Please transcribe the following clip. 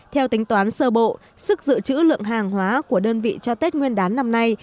theo tính toán sơ bộ sức dự trữ lượng hàng hóa của đơn vị cho tết nguyên đán năm nay